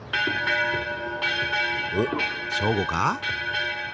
おっ正午か？